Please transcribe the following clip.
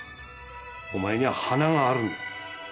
お前には華があるんだ。